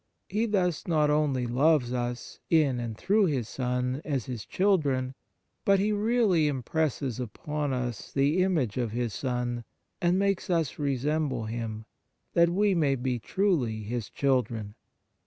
He, thus, not only loves us in and through His Son, as His children, but He really impresses upon us the image of His Son, and makes us resemble Him, that we may be truly His children.